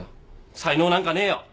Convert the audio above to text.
才能なんかねえよ！